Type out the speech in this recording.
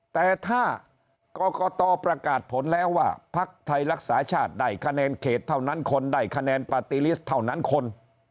แต่ถ้ากรกตประกาศผลแล้วว่าพักไทยรักษาชาติได้คะแนนเขตเท่านั้นคนได้คะแนนปาร์ตี้ลิสต์เท่านั้นคน